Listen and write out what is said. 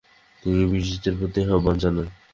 তিনি ব্রিটিশদের প্রতি আহ্বান জানান।